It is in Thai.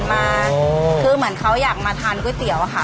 มาคือเหมือนเขาอยากมาทานก๋วยเตี๋ยวอะค่ะ